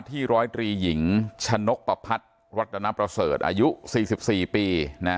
ที่ร้อยตรีหญิงชะนกประพัดวัตนประเสริฐอายุสี่สิบสี่ปีนะ